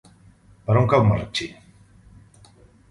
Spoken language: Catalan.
Per on cau Marratxí?